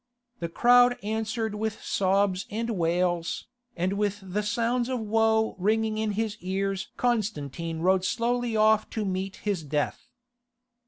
The crowd answered with sobs and wails, and with the sounds of woe ringing in his ears Constantine rode slowly off to meet his death.